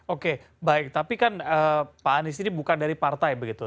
oke baik tapi kan pak anies ini bukan dari partai begitu